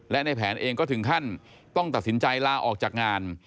และในแผนเองก็ถึงขั้นต้องตัดสินใจลาออกจากงาน